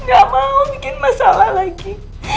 gak mau bikin masalah lagi